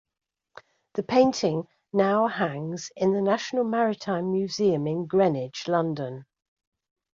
The painting now hangs in the National Maritime Museum in Greenwich, London.